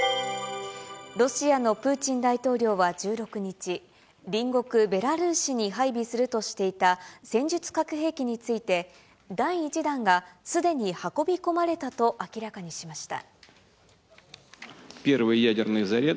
ロシアのプーチン大統領は１６日、隣国ベラルーシに配備するとしていた戦術核兵器について、第１弾がすでに運び込まれたと明らかにしました。